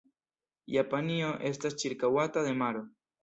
Japanio estas ĉirkaŭata de maro.